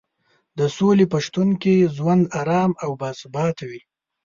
د سولې په شتون کې ژوند ارام او باثباته وي.